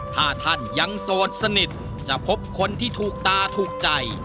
ถ้าท่านยังโสดสนิทจะพบคนที่ถูกตาถูกใจ